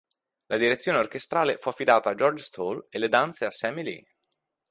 La direzione orchestrale fu affidata a George Stoll e le danze a Sammy Lee.